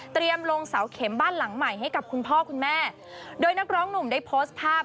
ลงเสาเข็มบ้านหลังใหม่ให้กับคุณพ่อคุณแม่โดยนักร้องหนุ่มได้โพสต์ภาพ